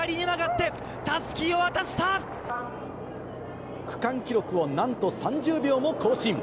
今、区間記録をなんと３０秒も更新。